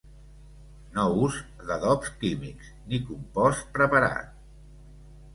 No ús d'adobs químics, ni compost preparat.